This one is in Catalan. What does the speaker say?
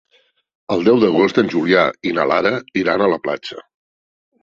El deu d'agost en Julià i na Lara iran a la platja.